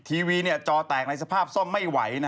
ทีวีจอแตกในสภาพซ่อมไม่ไหว